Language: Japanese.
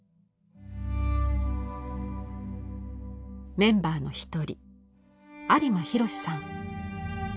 メンバーの一人有馬洋さん。